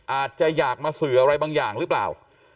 อาจจะอยากมาสื่ออะไรบางอย่างหรือเปล่า